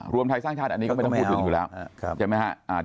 รวมไทยสร้างชาติอันนี้ก็ไม่ต้องพูดแบบนี้อยู่แล้ว